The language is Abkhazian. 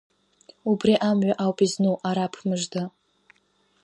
Убри амҩа ауп изну Араԥ мыжда…